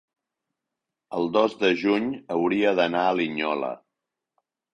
el dos de juny hauria d'anar a Linyola.